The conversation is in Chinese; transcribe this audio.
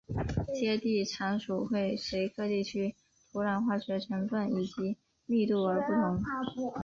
接地常数会随各地区的土壤化学成份以及密度而不同。